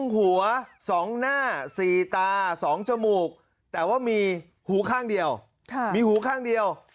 หัว๒หน้า๔ตา๒จมูกแต่ว่ามีหูข้างเดียวมีหูข้างเดียว